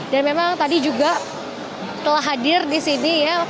dan memang tadi juga telah hadir di sini ya